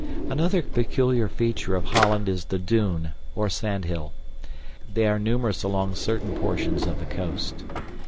Another peculiar feature of Holland is the dune, or sand hill. These are numerous along certain portions of the coast.